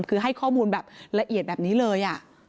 คือให้ข้อมูลแบบละเอียดแบบนี้เลย